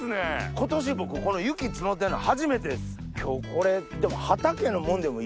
今年僕雪積もってんの初めてです。